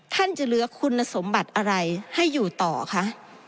ท่านจะเหลือคุณสมบัติอะไรให้อยู่ต่อคะ